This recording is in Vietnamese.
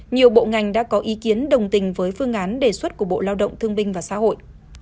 nhiều bộ ngành đã có ý kiến đồng tình với phương án đề xuất của bộ lao động thương binh và xã hội